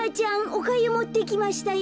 おかゆもってきましたよ」。